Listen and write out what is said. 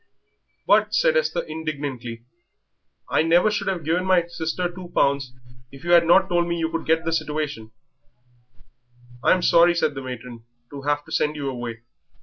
"But," said Esther, indignantly, "I never should have given my sister two pounds if you had not told me you could get me the situation." "I'm sorry," said the matron, "to have to send you away.